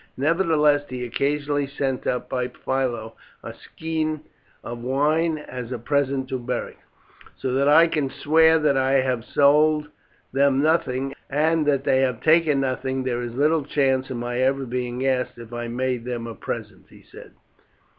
Nevertheless he occasionally sent up by Philo a skin of wine as a present to Beric. "So that I can swear that I have sold them nothing, and that they have taken nothing, there is little chance of my ever being asked if I made them a present," he said.